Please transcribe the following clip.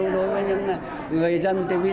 đối với những người dân